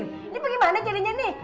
ini bagaimana jadinya nih